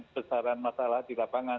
besaran masalah di lapangan